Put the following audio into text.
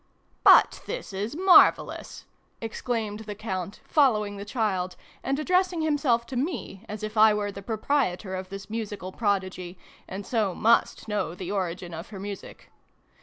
" But this is marvellous !" exclaimed the Count, following the child, and addressing himself to me, as if I were the proprietor of this musical prodigy, and so must know the origin of her music.